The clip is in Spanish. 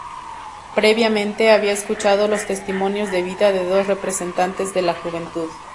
Previamente, había escuchado los testimonios de vida de dos representantes de la juventud.